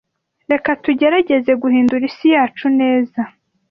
Reka tugerageze guhindura isi yacu neza.